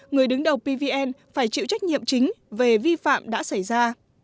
người đứng đầu pvn phải chịu trách nhiệm chính về vi phạm đã xảy ra